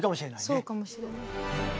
そうかもしれない。